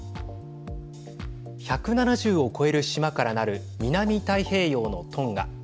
１７０を超える島からなる南太平洋のトンガ。